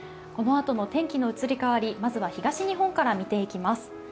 このあとの天気の移り変わり、まずは東日本から見ていきます。